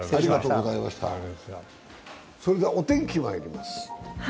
それでは、お天気まいります。